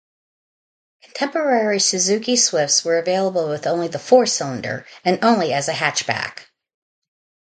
Contemporary Suzuki Swifts were available with only the four-cylinder, and only as a hatchback.